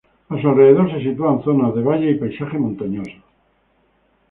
A su alrededor se sitúan zonas de valles y paisaje montañoso.